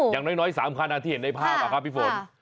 อย่างน้อย๓คันที่เห็นในภาพครับพี่ฝน